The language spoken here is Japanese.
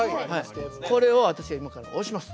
これを私が今から押します。